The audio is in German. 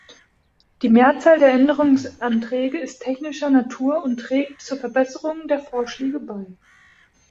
Die Mehrzahl der Änderungsanträge ist technischer Natur und trägt zur Verbesserung der Vorschläge bei.